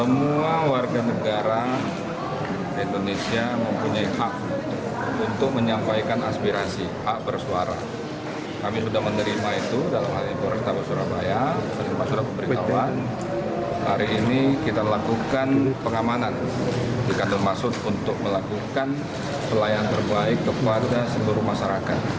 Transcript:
mereka termasuk untuk melakukan pelayanan terbaik kepada seluruh masyarakat